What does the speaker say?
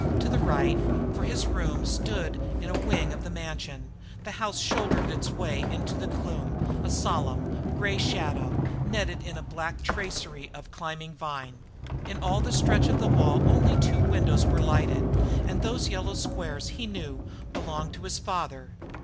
To the right, for his own room stood in a wing of the mansion, the house shouldered its way into the gloom, a solemn, grey shadow, netted in a black tracery of climbing vine. In all the stretch of wall only two windows were lighted, and those yellow squares, he knew, belonged to his father.